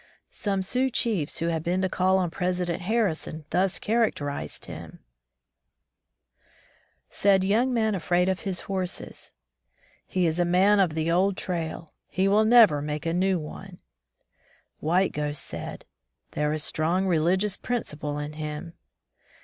Some Sioux chiefs who had been to call on President Harrison thus characterized him : 161 From the Deep Woods to CivUtzation Said Young Man Afraid of his Horses: *'He is a man of the old trail; he will never make a new one !White Ghost said :There is strong reli gious principle in him."